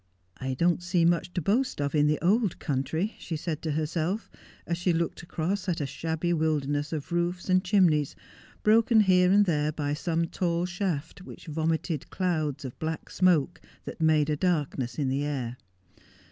' I don't see much to boast of in the old country,' she said to herself, as she looked across a shabby wilderness of roofs and chimneys, broken here and there by some tall shaft which vomited clouds of black smoke that made a darkness in the air.